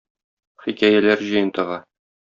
Хикәяләр җыентыгы.